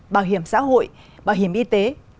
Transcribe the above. bảo hiểm xã hội bảo hiểm y tế